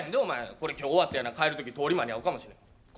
これ今日、終わってやな帰る時、通り魔に会うかもしれん。